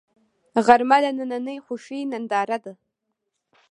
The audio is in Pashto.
غرمه د دنننۍ خوښۍ ننداره ده